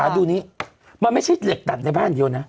ดูนี้มันไม่ใช่เหล็กตัดในบ้านอย่างเดียวนะ